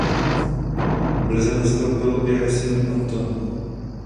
V lize nastoupil i jeho syn Anton.